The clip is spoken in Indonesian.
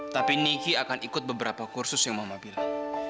tapi nihi akan ikut beberapa kursus yang mama bilang